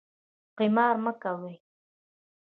قمار مه کوئ